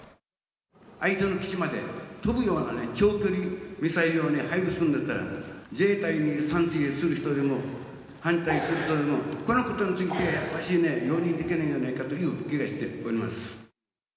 相手の基地まで飛ぶようなね、長距離ミサイルを配備するんだったら、自衛隊に賛成する人でも反対する人でも、このことについて、やっぱしね、容認できないのではないかという気がしております。